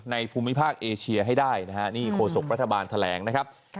ภูมิภาคเอเชียให้ได้นะฮะนี่โฆษกรัฐบาลแถลงนะครับ